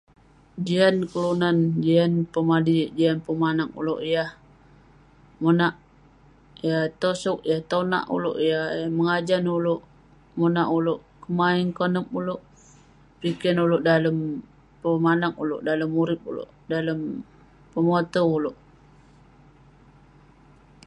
Jian kelunan, jian pemadik, jian pemanag Ulouk yah monak, yah eh tosog, yah eh tonak ulouk, yah eh mengajan ulouk, monak ulouk kemaeng konep ulouk, piken ulouk dalem pemanag ulouk, dalem Urip ulouk, dalem pemotew ulouk.